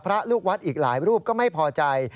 ลูกวัดอีกหลายรูปก็ไม่พอใจ